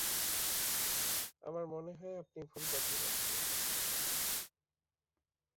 আমার মনে হয় আপনি ভুল পথে যাচ্ছেন।